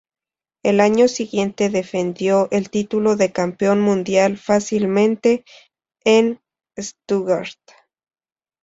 El año siguiente, defendió el título de Campeón Mundial fácilmente en Stuttgart.